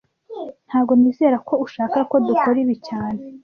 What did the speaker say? Ntago nizera ko ushaka ko dukora ibi cyane